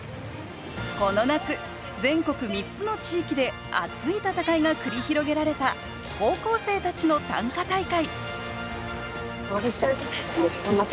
この夏全国３つの地域で熱い戦いが繰り広げられた高校生たちの短歌大会頑張った。